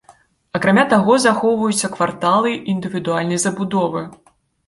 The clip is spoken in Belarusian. Акрамя таго захоўваюцца кварталы індывідуальнай забудовы.